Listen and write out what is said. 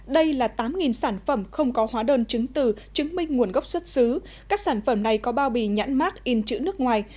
đây là tám sản phẩm không có hóa đơn chứng từ chứng minh nguồn gốc xuất xứ các sản phẩm này có bao bì nhãn mát in chữ nước ngoài